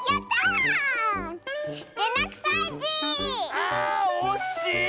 あおしい！